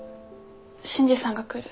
新次さんが来る。